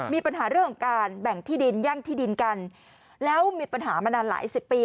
มีปัญหาเรื่องของการแบ่งที่ดินแย่งที่ดินกันแล้วมีปัญหามานานหลายสิบปี